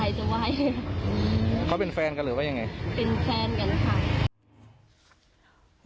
ไปดันไกลแล้วก็เขาแล้วก็เอาดันไกลทิ้งเขาก็ไปเอามีดที่เขาร่างกระท่าค่ะ